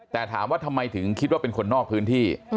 แต่ถามว่าทำไมถึงคิดว่าเป็นคนนอกพื้นที่